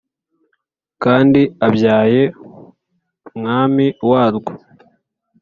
kandi abyaye umwami warwo